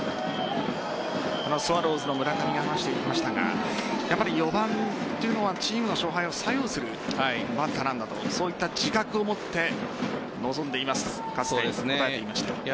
スワローズの村上が話していましたが４番というのはチームの勝敗を左右するバッターなんだとそういった自覚を持って臨んでいますと答えていました。